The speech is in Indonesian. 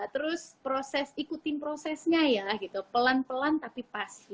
terus proses ikutin prosesnya ya gitu pelan pelan tapi pasti